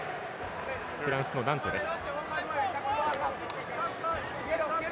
フランスのナントです。